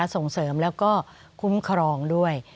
ส่งเสริมแล้วก็คุ้มครองด้วย